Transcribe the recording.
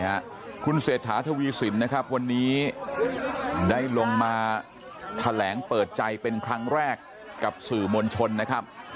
คุณเศรษฐาทวีสินนะครับวันนี้ได้ลงมาแถลงเปิดใจเป็นครั้งแรกกับสื่อมวลชนนะครับ